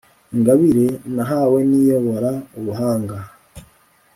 ingabire nahawe n' iyobora ubuhanga